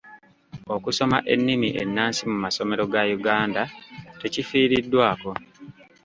Okusoma ennimi ennansi mu masomero ga Uganda tekifiiriddwako.